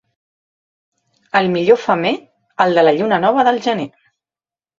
El millor femer, el de la lluna nova del gener.